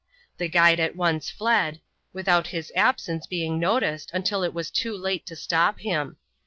The guide at once fled, without his absence being noticed until it was too late to stop him.